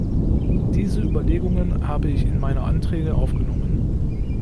Diese Überlegungen habe ich in meine Anträge aufgenommen.